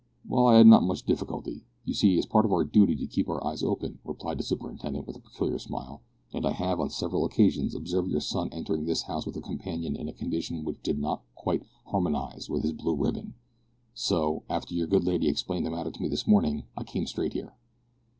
"Well, I had not much difficulty. You see it is part of our duty to keep our eyes open," replied the superintendent, with a peculiar smile, "and I have on several occasions observed your son entering this house with a companion in a condition which did not quite harmonise with his blue ribbon, so, after your good lady explained the matter to me this morning I came straight here."